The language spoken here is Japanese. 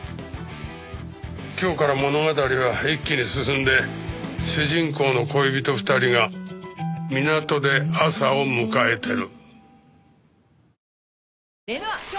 今日から物語は一気に進んで主人公の恋人２人が港で朝を迎えてる。